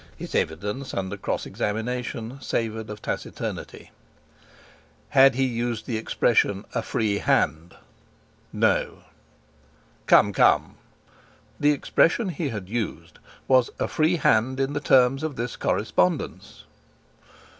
His evidence under cross examination savoured of taciturnity. Had he not used the expression, "a free hand"? No. "Come, come!" The expression he had used was "a free hand in the terms of this correspondence."